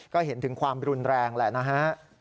ก็เห็นถึงความรุนแรงแหละนะฮะ